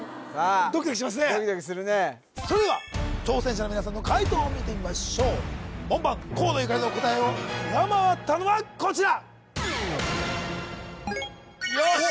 ドキドキしますねさあドキドキするねそれでは挑戦者の皆さんの解答を見てみましょう門番河野ゆかりの答えを上回ったのはこちらよし！